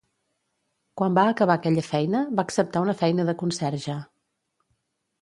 Quan va acabar aquella feina, va acceptar una feina de conserge.